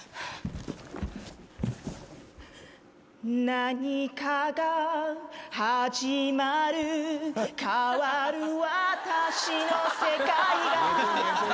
「なにかが始まる」「変わる私の世界が」